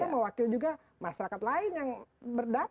tapi juga masyarakat lain yang berdampak